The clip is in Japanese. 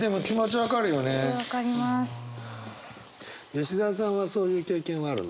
吉澤さんはそういう経験はあるの？